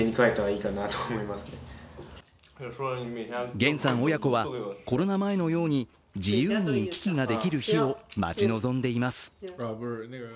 元さん親子は、コロナ前のように自由に行き来ができる日を待ち望んでいます。